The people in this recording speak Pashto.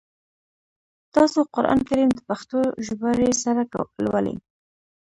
تاسو قرآن کریم د پښتو ژباړي سره لولی ؟